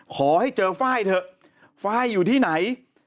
ขอให้เจอไฟล์เถอะไฟล์อยู่ที่ไหน